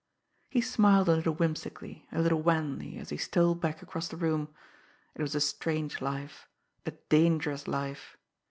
He smiled a little whimsically, a little wanly, as he stole back across the room. It was a strange life, a dangerous life!